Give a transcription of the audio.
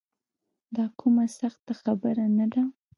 دا کومه سخته خبره نه ده.